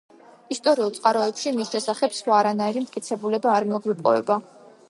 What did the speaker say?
ისტორიულ წყაროებში მის შესახებ სხვა არანაირი მტკიცებულება არ მოგვეპოვება.